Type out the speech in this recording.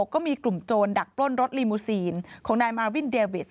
ก็มีกลุ่มโจรดักปล้นรถลีมูซีนของนายมาวินเดวิส